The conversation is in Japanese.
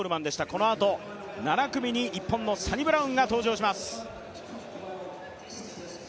このあと７組に、日本のサニブラウンが登場します。